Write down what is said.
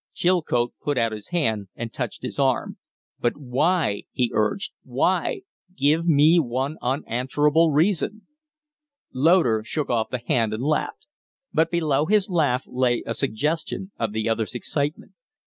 Chilcote put out his hand and touched his arm. "But why?" he urged. "Why? Give me one unanswerable reason." Loder shook off the hand and laughed, but below his laugh lay a suggestion of the other's excitement.